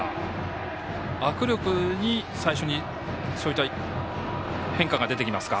握力に最初にそういった変化が出てきますか。